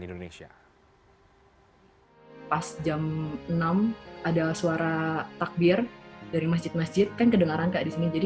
indonesia pas jam enam ada suara takbir dari masjid masjid pengen kedengaran kak di sini